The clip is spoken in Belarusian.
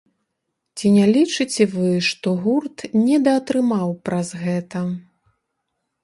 Ці не лічыце вы, што гурт недаатрымаў праз гэта?